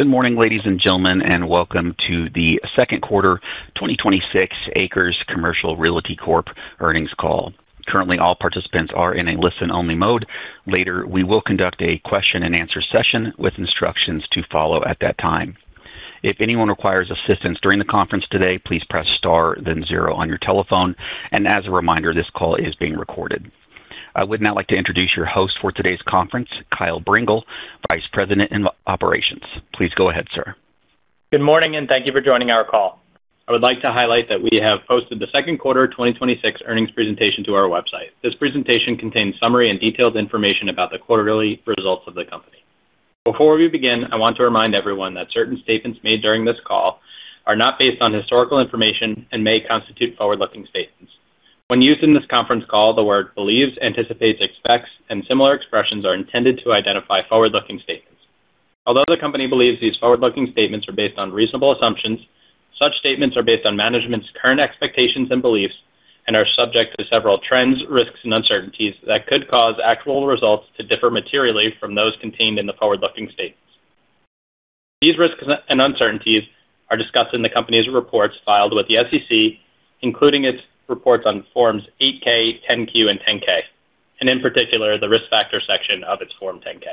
Good morning, ladies and gentlemen, and welcome to the Q2 2026 ACRES Commercial Realty Corp. earnings call. Currently, all participants are in a listen-only mode. Later, we will conduct a question and answer session with instructions to follow at that time. If anyone requires assistance during the conference today, please press star then zero on your telephone. As a reminder, this call is being recorded. I would now like to introduce your host for today's conference, Kyle Brengel, Vice President in Operations. Please go ahead, sir. Good morning, and thank you for joining our call. I would like to highlight that we have posted the Q2 2026 earnings presentation to our website. This presentation contains summary and detailed information about the quarterly results of the company. Before we begin, I want to remind everyone that certain statements made during this call are not based on historical information and may constitute forward-looking statements. When used in this conference call, the word believes, anticipates, expects, and similar expressions are intended to identify forward-looking statements. Although the company believes these forward-looking statements are based on reasonable assumptions, such statements are based on management's current expectations and beliefs and are subject to several trends, risks, and uncertainties that could cause actual results to differ materially from those contained in the forward-looking statements. These risks and uncertainties are discussed in the company's reports filed with the SEC, including its reports on Forms 8-K, 10-Q, and 10-K, and in particular, the Risk Factors section of its Form 10-K.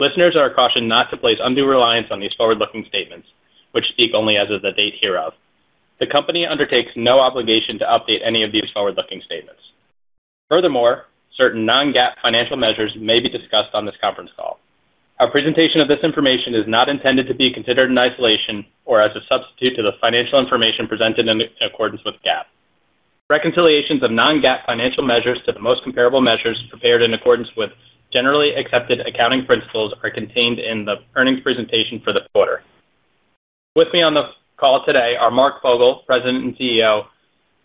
Listeners are cautioned not to place undue reliance on these forward-looking statements, which speak only as of the date hereof. The company undertakes no obligation to update any of these forward-looking statements. Furthermore, certain non-GAAP financial measures may be discussed on this conference call. Our presentation of this information is not intended to be considered in isolation or as a substitute to the financial information presented in accordance with GAAP. Reconciliations of non-GAAP financial measures to the most comparable measures prepared in accordance with generally accepted accounting principles are contained in the earnings presentation for the quarter. With me on the call today are Mark Fogel, President and CEO,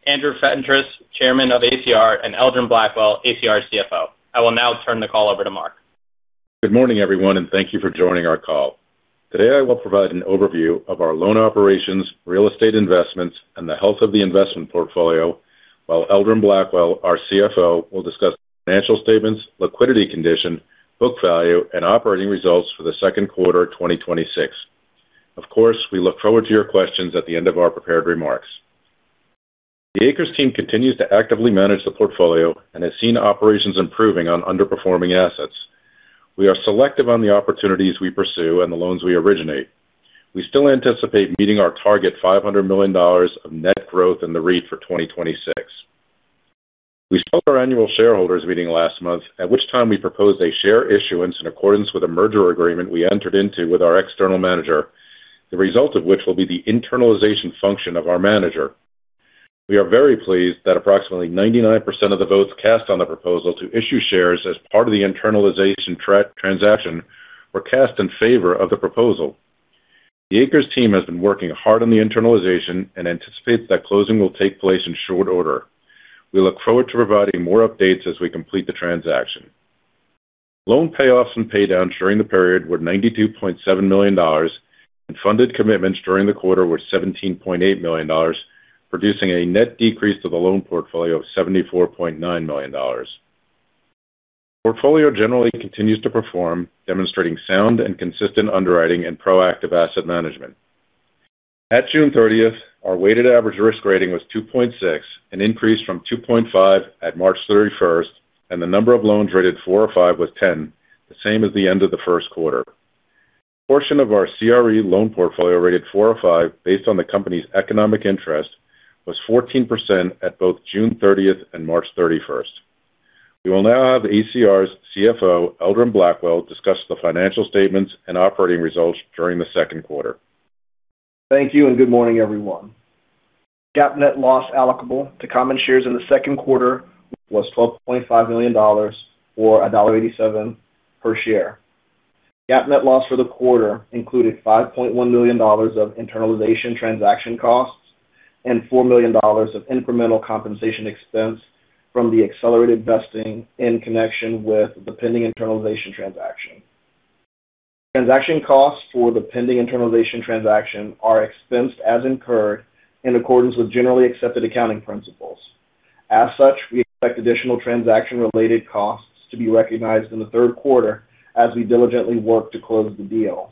Andrew Fentress, Chairman of ACR, and Eldron Blackwell, ACR's CFO. I will now turn the call over to Mark. Good morning, everyone, and thank you for joining our call. Today, I will provide an overview of our loan operations, real estate investments, and the health of the investment portfolio, while Eldron Blackwell, our CFO, will discuss the financial statements, liquidity condition, book value, and operating results for the Q2 2026. Of course, we look forward to your questions at the end of our prepared remarks. The ACRES team continues to actively manage the portfolio and has seen operations improving on underperforming assets. We are selective on the opportunities we pursue and the loans we originate. We still anticipate meeting our target $500 million of net growth in the REIT for 2026. We spoke at our annual shareholders meeting last month, at which time we proposed a share issuance in accordance with a merger agreement we entered into with our external manager, the result of which will be the internalization function of our manager. We are very pleased that approximately 99% of the votes cast on the proposal to issue shares as part of the internalization transaction were cast in favor of the proposal. The ACRES team has been working hard on the internalization and anticipates that closing will take place in short order. We look forward to providing more updates as we complete the transaction. Loan payoffs and paydowns during the period were $92.7 million, and funded commitments during the quarter were $17.8 million, producing a net decrease to the loan portfolio of $74.9 million. The portfolio generally continues to perform, demonstrating sound and consistent underwriting and proactive asset management. At June 30th, our weighted average risk rating was 2.6, an increase from 2.5 at March 31st, and the number of loans rated four or five was 10, the same as the end of the Q1. The portion of our CRE loan portfolio rated four or five, based on the company's economic interest, was 14% at both June 30th and March 31st. We will now have ACR's CFO, Eldron Blackwell, discuss the financial statements and operating results during the Q2. Thank you, and good morning, everyone. GAAP net loss allocable to common shares in the Q2 was $12.5 million or $1.87 per share. GAAP net loss for the quarter included $5.1 million of internalization transaction costs and $4 million of incremental compensation expense from the accelerated vesting in connection with the pending internalization transaction. Transaction costs for the pending internalization transaction are expensed as incurred in accordance with generally accepted accounting principles. As such, we expect additional transaction-related costs to be recognized in the Q3 as we diligently work to close the deal.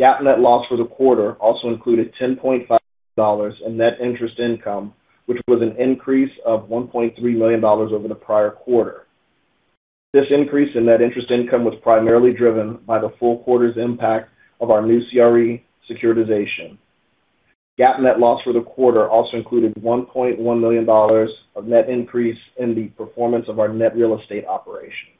GAAP net loss for the quarter also included $10.5 million in net interest income, which was an increase of $1.3 million over the prior quarter. This increase in net interest income was primarily driven by the full quarter's impact of our new CRE securitization. GAAP net loss for the quarter also included $1.1 million of net increase in the performance of our net real estate operations.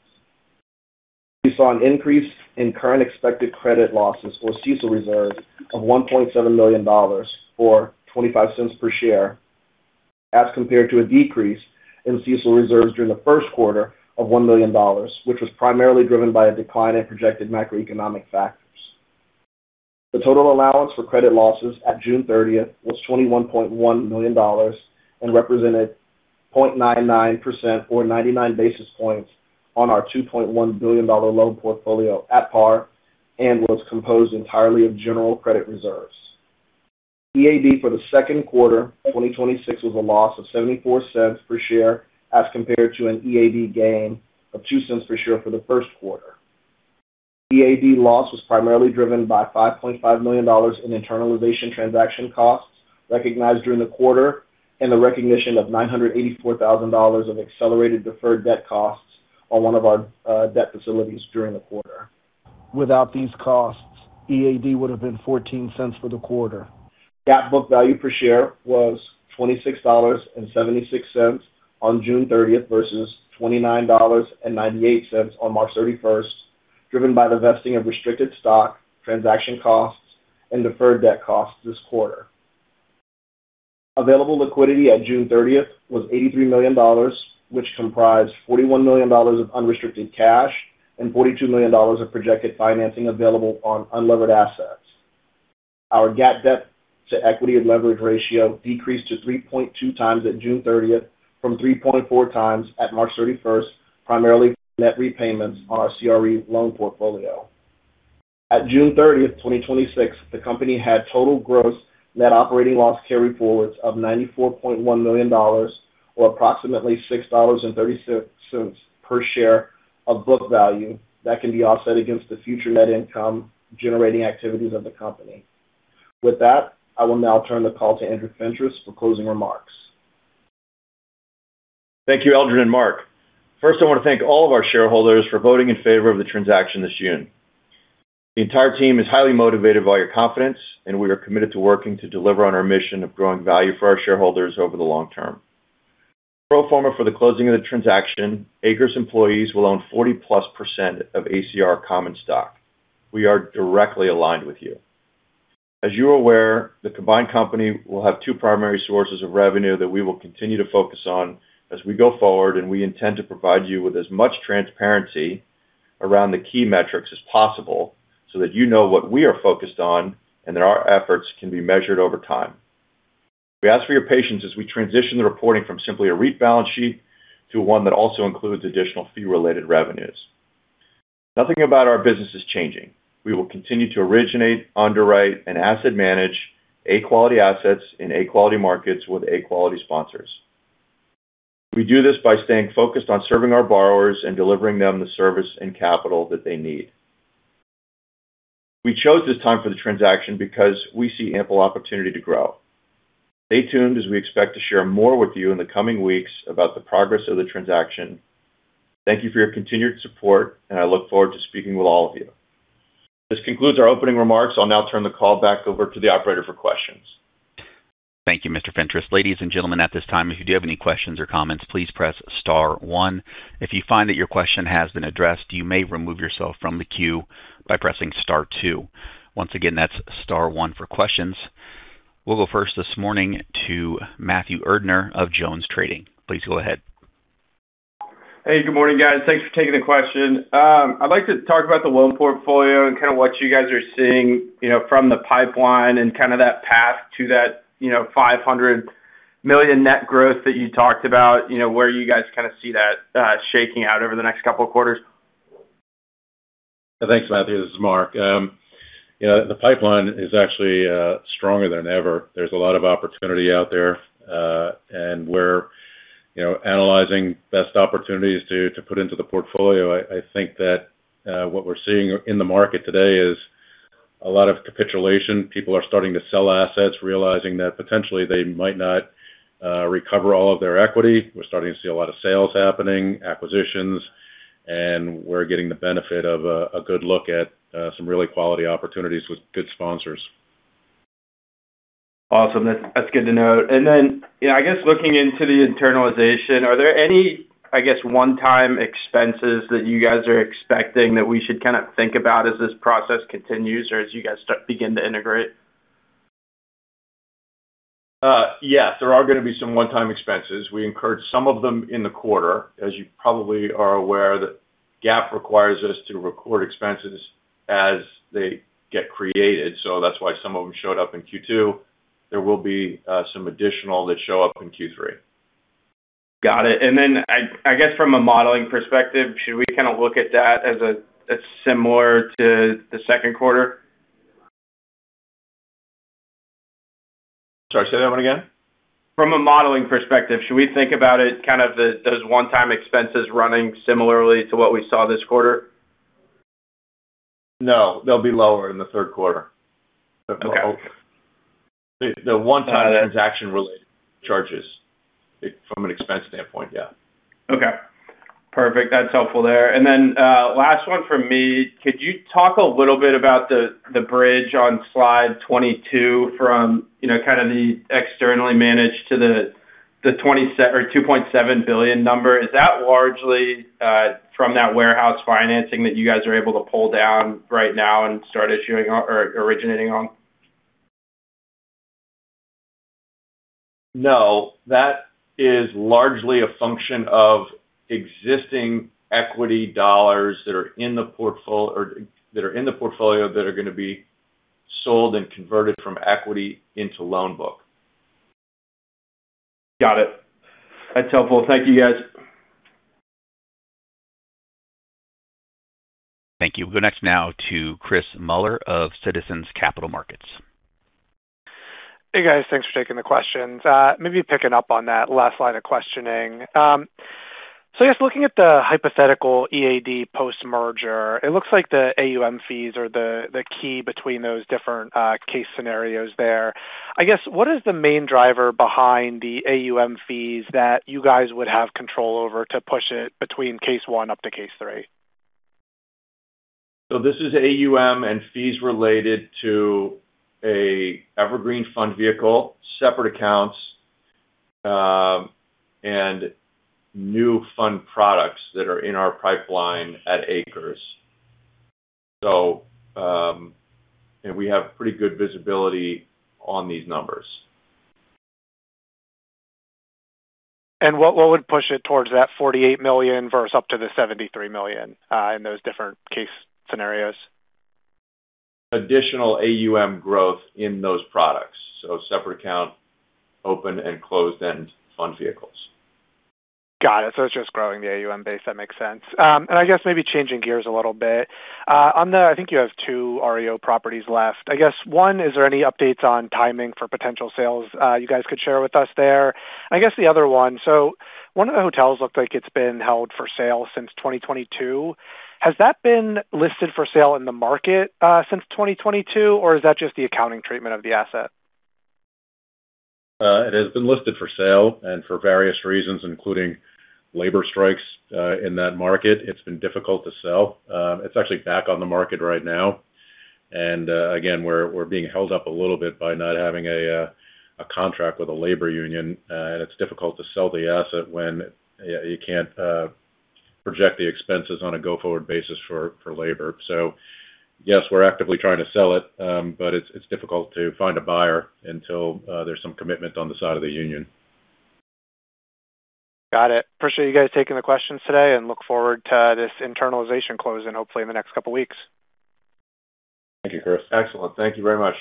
We saw an increase in current expected credit losses or CECL reserves of $1.7 million, or $0.25 per share, as compared to a decrease in CECL reserves during the Q1 of $1 million, which was primarily driven by a decline in projected macroeconomic factors. The total allowance for credit losses at June 30th was $21.1 million and represented 0.99% or 99 basis points on our $2.1 billion loan portfolio at par and was composed entirely of general credit reserves. EAD for the Q2 2026 was a loss of $0.74 per share as compared to an EAD gain of $0.02 per share for the Q1. EAD loss was primarily driven by $5.5 million in internalization transaction costs recognized during the quarter, and the recognition of $984,000 of accelerated deferred debt costs on one of our debt facilities during the quarter. Without these costs, EAD would've been $0.14 for the quarter. GAAP book value per share was $26.76 on June 30th versus $29.98 on March 31st, driven by the vesting of restricted stock, transaction costs, and deferred debt costs this quarter. Available liquidity at June 30th was $83 million, which comprised $41 million of unrestricted cash and $42 million of projected financing available on unlevered assets. Our GAAP debt to equity and leverage ratio decreased to 3.2x at June 30th from 3.4x at March 31st, primarily from net repayments on our CRE loan portfolio. At June 30th, 2026, the company had total gross net operating loss carryforwards of $94.1 million, or approximately $6.36 per share of book value that can be offset against the future net income generating activities of the company. With that, I will now turn the call to Andrew Fentress for closing remarks. Thank you, Eldron and Mark. First, I want to thank all of our shareholders for voting in favor of the transaction this June. The entire team is highly motivated by your confidence, and we are committed to working to deliver on our mission of growing value for our shareholders over the long term. Pro forma for the closing of the transaction, ACRES employees will own 40%+ of ACR common stock. We are directly aligned with you. As you are aware, the combined company will have two primary sources of revenue that we will continue to focus on as we go forward, and we intend to provide you with as much transparency around the key metrics as possible so that you know what we are focused on, and that our efforts can be measured over time. We ask for your patience as we transition the reporting from simply a REIT balance sheet to one that also includes additional fee-related revenues. Nothing about our business is changing. We will continue to originate, underwrite, and asset manage A-quality assets in A-quality markets with A-quality sponsors. We do this by staying focused on serving our borrowers and delivering them the service and capital that they need. We chose this time for the transaction because we see ample opportunity to grow. Stay tuned as we expect to share more with you in the coming weeks about the progress of the transaction. Thank you for your continued support, and I look forward to speaking with all of you. This concludes our opening remarks. I'll now turn the call back over to the operator for questions. Thank you, Mr. Fentress. Ladies and gentlemen, at this time, if you do have any questions or comments, please press star one. If you find that your question has been addressed, you may remove yourself from the queue by pressing star two. Once again, that's star one for questions. We'll go first this morning to Matthew Erdner of JonesTrading. Please go ahead. Hey, good morning, guys. Thanks for taking the question. I'd like to talk about the loan portfolio and kind of what you guys are seeing from the pipeline and kind of that path to that $500 million net growth that you talked about, where you guys kind of see that shaking out over the next couple of quarters. Thanks, Matthew. This is Mark. The pipeline is actually stronger than ever. There's a lot of opportunity out there. We're analyzing the best opportunities to put into the portfolio. I think that what we're seeing in the market today is a lot of capitulation. People are starting to sell assets, realizing that potentially they might not recover all of their equity. We're starting to see a lot of sales happening, acquisitions, and we're getting the benefit of a good look at some really quality opportunities with good sponsors. Awesome. That's good to know. Then I guess looking into the internalization, are there any, I guess, one-time expenses that you guys are expecting that we should kind of think about as this process continues or as you guys begin to integrate? Yes, there are going to be some one-time expenses. We incurred some of them in the quarter. As you probably are aware, the GAAP requires us to record expenses as they get created, so that's why some of them showed up in Q2. There will be some additional that show up in Q3. Got it. Then I guess from a modeling perspective, should we kind of look at that as similar to Q2? Sorry, say that one again. From a modeling perspective, should we think about it, kind of those one-time expenses running similarly to what we saw this quarter? No, they'll be lower in Q3. Okay. The one-time transaction-related charges from an expense standpoint, yeah. Okay, perfect. That's helpful there. Last one from me. Could you talk a little bit about the bridge on slide 22 from kind of the externally managed to the $2.7 billion number? Is that largely from that warehouse financing that you guys are able to pull down right now and start issuing or originating on? No, that is largely a function of existing equity dollars that are in the portfolio that are going to be sold and converted from equity into loan book. Got it. That's helpful. Thank you, guys. We'll go next now to Chris Muller of Citizens JMP Securities. Hey, guys. Thanks for taking the questions. Maybe picking up on that last line of questioning. I guess looking at the hypothetical EAD post-merger, it looks like the AUM fees are the key between those different case scenarios there. I guess, what is the main driver behind the AUM fees that you guys would have control over to push it between case one up to case three? This is AUM and fees related to an evergreen fund vehicle, separate accounts, and new fund products that are in our pipeline at ACRES. We have pretty good visibility on these numbers. What would push it towards that $48 million versus up to the $73 million in those different case scenarios? Additional AUM growth in those products. Separate account, open and closed-end fund vehicles. Got it. It's just growing the AUM base. That makes sense. I guess maybe changing gears a little bit. I think you have two REO properties left. I guess one, is there any updates on timing for potential sales you guys could share with us there? I guess the other one. One of the hotels looked like it's been held for sale since 2022. Has that been listed for sale in the market since 2022, or is that just the accounting treatment of the asset? It has been listed for sale and for various reasons, including labor strikes in that market. It's been difficult to sell. It's actually back on the market right now. Again, we're being held up a little bit by not having a contract with a labor union. It's difficult to sell the asset when you can't project the expenses on a go-forward basis for labor. Yes, we're actively trying to sell it, but it's difficult to find a buyer until there's some commitment on the side of the union. Got it. Appreciate you guys taking the questions today and look forward to this internalization closing hopefully in the next couple weeks. Thank you, Chris. Excellent. Thank you very much.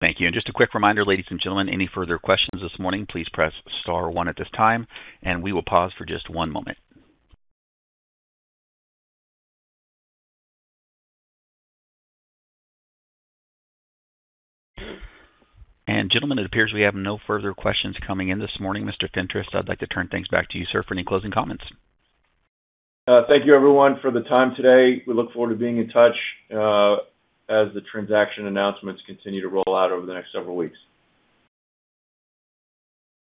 Thank you. Just a quick reminder, ladies and gentlemen, any further questions this morning, please press star one at this time and we will pause for just one moment. Gentlemen, it appears we have no further questions coming in this morning. Mr. Fentress, I'd like to turn things back to you, sir, for any closing comments. Thank you everyone for the time today. We look forward to being in touch as the transaction announcements continue to roll out over the next several weeks.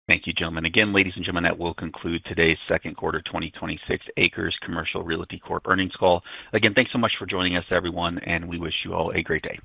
Thank you, gentlemen. Again, ladies and gentlemen, that will conclude today's Q2 2026 ACRES Commercial Realty Corp. earnings call. Again, thanks so much for joining us everyone, and we wish you all a great day.